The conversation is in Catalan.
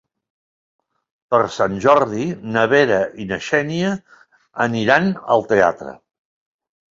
Per Sant Jordi na Vera i na Xènia aniran al teatre.